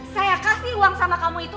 saya kasih uang sama kamu itu